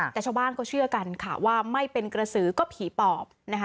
แต่ชาวบ้านเขาเชื่อกันค่ะว่าไม่เป็นกระสือก็ผีปอบนะคะ